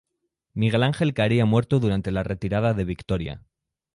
Miguel Á. caería muerto durante la retirada de Vitoria.